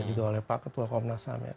juga oleh pak ketua komnas ham ya